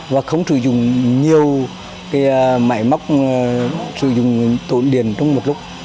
và không sử dụng nhiều máy móc sử dụng tổn điện trong một lúc